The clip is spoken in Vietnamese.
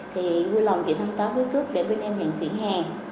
thì quy lòng chị thân táo với cướp để bên em nhận chuyển hẹn